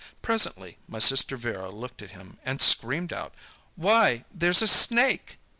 Presently my sister Vera looked at him, and screamed out, 'Why, there's a snake!